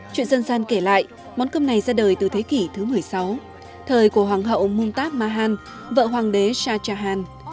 chuyện dân gian kể lại món cơm này ra đời từ thế kỷ thứ một mươi sáu thời của hoàng hậu mungtab mahan vợ hoàng đế shah jahan